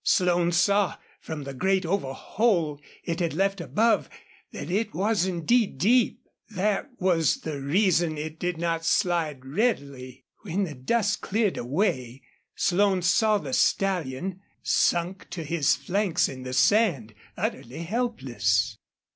Slone saw, from the great oval hole it had left above, that it was indeed deep. That was the reason it did not slide readily. When the dust cleared away Slone saw the stallion, sunk to his flanks in the sand, utterly helpless.